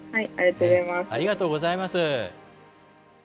ありがとうございます。